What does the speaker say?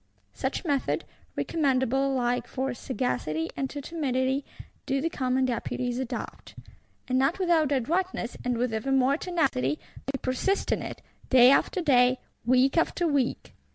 Such method, recommendable alike to sagacity and to timidity, do the Commons Deputies adopt; and, not without adroitness, and with ever more tenacity, they persist in it, day after day, week after week.